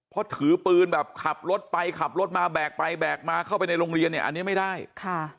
เพราะถือปืนแบบขับรถไปขับรถมาแบกไปแบกมาเข้าไปในโรงเรียนเนี่ยอันนี้ไม่ได้ค่ะ